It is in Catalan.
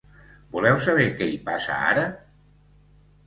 Voleu saber que hi passa ara?